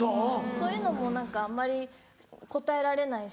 そういうのも何かあんまり応えられないし。